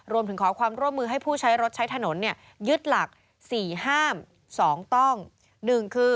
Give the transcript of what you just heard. รวมถึงขอความร่วมมือให้ผู้ใช้รถใช้ถนนเนี่ยยึดหลัก๔ห้าม๒ต้อง